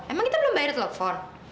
emang kita belum bayar telepon